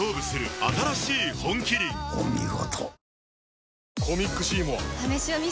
お見事。